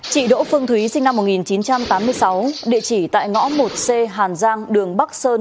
chị đỗ phương thúy sinh năm một nghìn chín trăm tám mươi sáu địa chỉ tại ngõ một c hàn giang đường bắc sơn